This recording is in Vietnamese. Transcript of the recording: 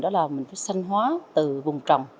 đó là mình phải sân hóa từ vùng trồng